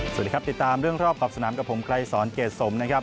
สวัสดีครับติดตามเรื่องรอบขอบสนามกับผมไกรสอนเกรดสมนะครับ